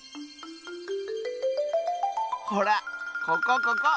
ほらここここ！